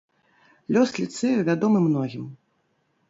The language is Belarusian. Лёс ліцэю вядомы многім.